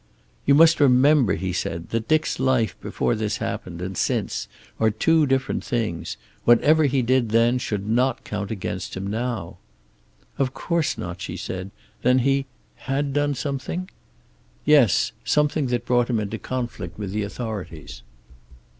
"You must remember," he said, "that Dick's life before this happened, and since, are two different things. Whatever he did then should not count against him now." "Of course not," she said. "Then he had done something?" "Yes. Something that brought him into conflict with the authorities."